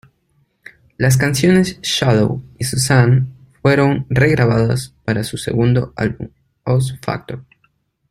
Las canciones "Shallow" y "Suzanne" fueron re-grabadas para su segundo álbum, Oz Factor.